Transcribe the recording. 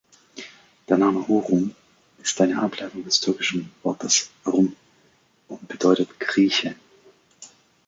Der Name "Urum" ist eine Ableitung des türkischen Wortes "Rum" und bedeutet "Grieche".